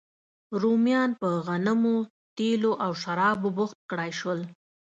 رومیان په غنمو، تېلو او شرابو بوخت کړای شول